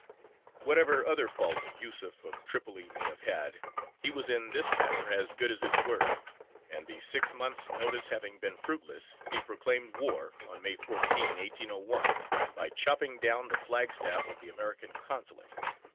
Whatever other faults Yūsuf of Tripoli may have had, he was in this matter as good as his word, and the six months' notice having been fruitless, he proclaimed war on May 14, 1801, by chopping down the flagstaff of the American Consulate.